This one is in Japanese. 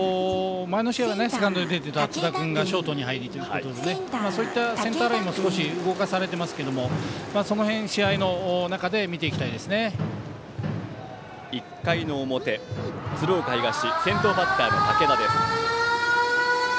もともと、前の試合はセカンドで出ていた津田君がショートに入るということでそういったセンターラインも動かされていますけどその辺、試合の中で１回の表、鶴岡東先頭バッターの武田です。